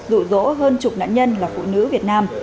dụ dỗ hơn chục nạn nhân là phụ nữ việt nam